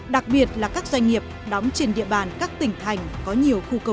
đặc biệt là các doanh nghiệp đóng trên địa bàn các tỉnh